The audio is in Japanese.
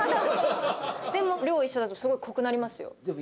でも量一緒だとすごい濃くなりますよ。